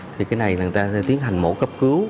thì cái này người ta sẽ tiến hành mổ cấp cứu